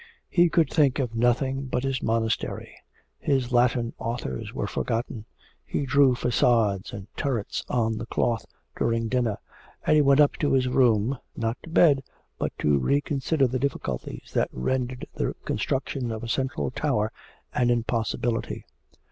He could think of nothing but his monastery; his Latin authors were forgotten; he drew facades and turrets on the cloth during dinner, and he went up to his room, not to bed, but to reconsider the difficulties that rendered the construction of a central tower an impossibility.